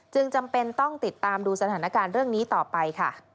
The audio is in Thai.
จำเป็นต้องติดตามดูสถานการณ์เรื่องนี้ต่อไปค่ะ